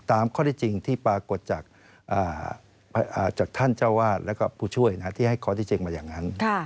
ข้อที่จริงที่ปรากฏจากท่านเจ้าวาดแล้วก็ผู้ช่วยที่ให้ข้อที่จริงมาอย่างนั้น